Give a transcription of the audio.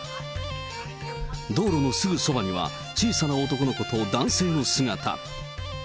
道路のすぐそばには、小さな男の子と男性の姿。